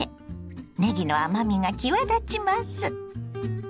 ねぎの甘みが際立ちます。